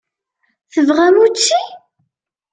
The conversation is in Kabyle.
Tebɣam učči?